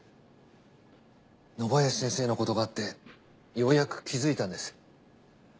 野林先生のことがあってようやく気づいたんです。